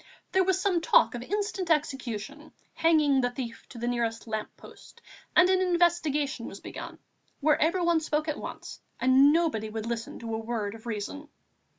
There was some talk of instant execution hanging the thief to the nearest lamp post, and an investigation was begun, where everyone spoke at once and nobody would listen to a word of reason.